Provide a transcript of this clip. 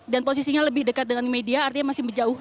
dan posisinya lebih dekat dengan media artinya masih jauh